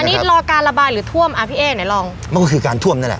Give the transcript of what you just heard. อันนี้รอการระบายหรือท่วมอ่ะพี่เอ๊ไหนลองมันก็คือการท่วมนั่นแหละ